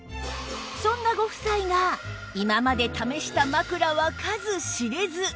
そんなご夫妻が今まで試した枕は数知れず